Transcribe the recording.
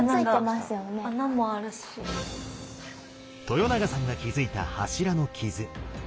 豊永さんが気付いた柱の傷。